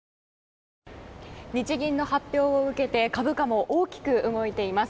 日銀の発表を受けて株価も大きく動いています。